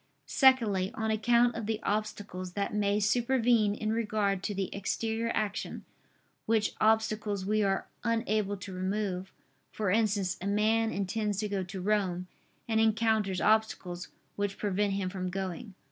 Secondly, on account of the obstacles that may supervene in regard to the exterior action, which obstacles we are unable to remove: for instance, a man intends to go to Rome, and encounters obstacles, which prevent him from going.